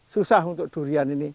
susah untuk durian ini